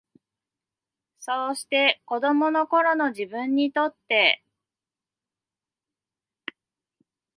そうして、子供の頃の自分にとって、